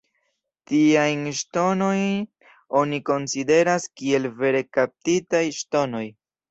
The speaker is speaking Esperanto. Tiajn ŝtonojn oni konsideras kiel vere kaptitaj ŝtonoj.